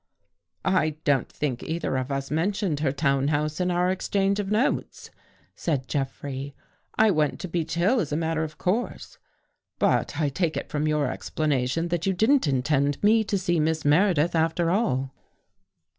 " I don't think either of us mentioned her town house in our exchange of notes," said Jeffrey. " I went to Beech Hill as a matter of course. But I take it from your explanation that you didn't intend me to see Miss Meredith, after all."